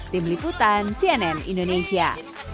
tim liputan cnn indonesia